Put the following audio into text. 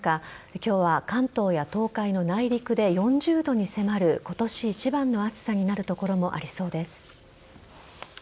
今日は関東や東海の内陸で４０度に迫る今年一番の暑さになる所もありそうです。